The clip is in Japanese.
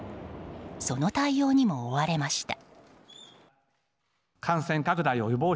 その対応にも追われました。